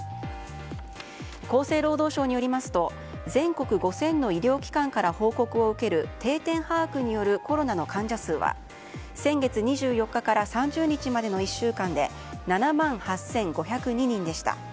厚生労働省によりますと全国５０００の医療機関から報告を受ける定点把握によるコロナの患者数は先月２４日から３０日までの１週間で７万８５０２人でした。